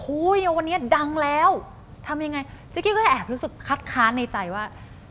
วันนี้ดังแล้วทำยังไงเจ๊กี้ก็เลยแอบรู้สึกคัดค้านในใจว่า